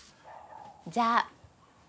じゃあ。